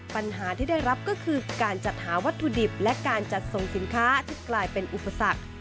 ปัญหาที่ได้รับก็คือการจัดหาวัตถุดิบและการจัดส่งสินค้าที่กลายเป็นอุปสรรค